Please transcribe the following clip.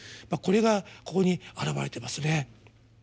これがここに表れてますね。